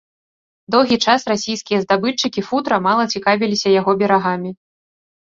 Доўгі час расійскія здабытчыкі футра мала цікавіліся яго берагамі.